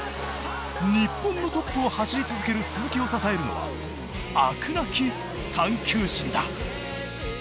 日本のトップを走り続ける鈴木を支えるのは飽くなき探究心だ。